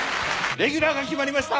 レギュラーが決まりました。